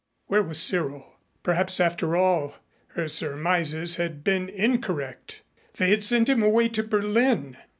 Where was Cyril? Perhaps after all, her surmises had been incorrect. They had sent him away to Berlin.